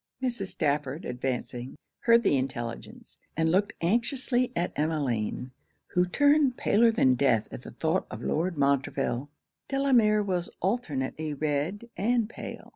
Mrs. Stafford advancing, heard the intelligence, and looked anxiously at Emmeline, who turned paler than death at the thoughts of Lord Montreville. Delamere was alternately red and pale.